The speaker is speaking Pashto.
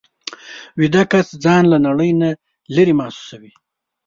ویده کس ځان له نړۍ نه لېرې محسوسوي